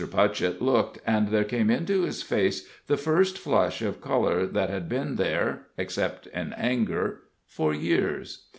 Putchett looked, and there came into his face the first flush of color that had been there except in anger for years.